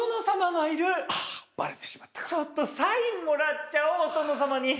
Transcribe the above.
ちょっとサインもらっちゃおうお殿様に。